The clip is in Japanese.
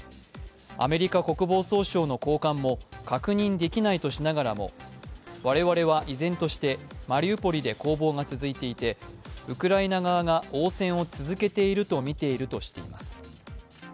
アメリカ国防総省の高官も確認できないとしながらも、我々は依然としてマリウポリで攻防が続いていてウクライナ側が応戦を続けているとみているとしています。